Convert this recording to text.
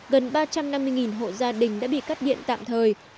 gần ba trăm năm mươi hộ gia đình đã bị cắt điện tạm thời